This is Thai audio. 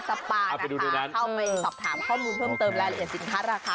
ชอบถามข้อมูลเพิ่มเติมรายละเอียดสินคัดล่ะ